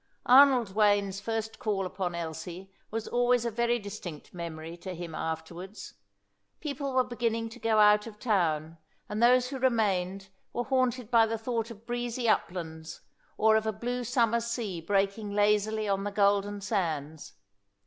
Arnold Wayne's first call upon Elsie was always a very distinct memory to him afterwards. People were beginning to go out of town, and those who remained were haunted by the thought of breezy uplands, or of a blue summer sea breaking lazily on the golden sands.